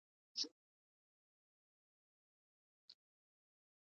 وړلای نه شي